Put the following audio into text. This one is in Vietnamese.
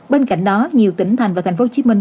bên cạnh đó nhiều tỉnh thành và thành phố hồ chí minh